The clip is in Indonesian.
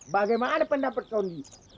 bagaimana pendapatmu nen